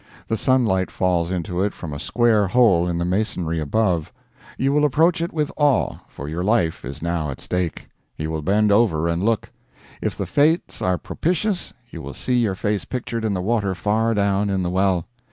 The sunlight falls into it from a square hole in the masonry above. You will approach it with awe, for your life is now at stake. You will bend over and look. If the fates are propitious, you will see your face pictured in the water far down in the well.